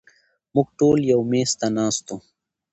مونږ ټول يو مېز ته ناست وو